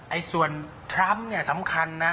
ส่วนทรัมป์เนี่ยสำคัญนะ